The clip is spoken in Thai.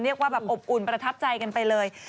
เรียกว่าแบบอบอุ่นประทับใจกันไปเลย